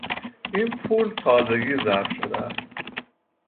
این پول تازگی ضرب شده است.